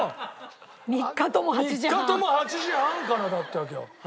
３日とも８時半からだったわけよ。